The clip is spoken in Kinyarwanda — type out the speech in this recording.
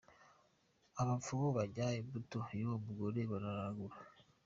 Abapfumu bajyana imbuto y’uwo mugore bararagura.